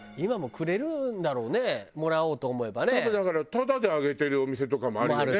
タダであげてるお店とかもあるよね